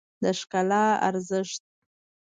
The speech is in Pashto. د ښکلا ارزښت